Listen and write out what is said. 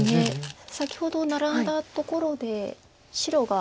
先ほどナラんだところで白が。